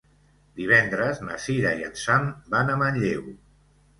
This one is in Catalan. Divendres na Cira i en Sam van a Manlleu.